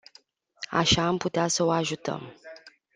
Așa am putea să o ajutăm.